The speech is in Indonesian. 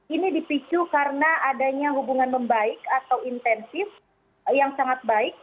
ini dipicu karena adanya hubungan membaik atau intensif yang sangat baik